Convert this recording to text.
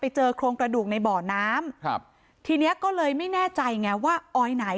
เจอโครงกระดูกในบ่อน้ำครับทีเนี้ยก็เลยไม่แน่ใจไงว่าออยไหน